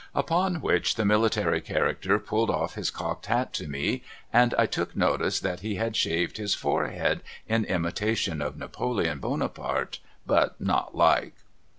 Upon which the military character pulled off his cocked hat to me, and I took notice that he had shaved his forehead in imitation of Napoleon Bonaparte but not like.